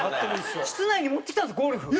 室内に持ってきたんですゴルフ。